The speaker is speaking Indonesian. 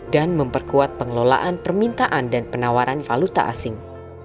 dan memperkuat pengelolaan permintaan dan penawaran valuta asing